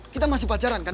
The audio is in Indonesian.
kita masih pacaran kan